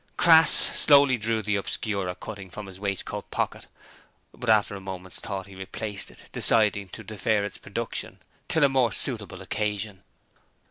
Crass slowly drew the Obscurer cutting from his waistcoat pocket, but after a moment's thought he replaced it, deciding to defer its production till a more suitable occasion.